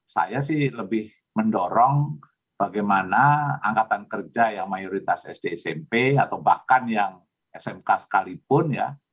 saya sih lebih mendorong bagaimana angkatan kerja yang mayoritas sd smp atau bahkan yang smk sekalipun ya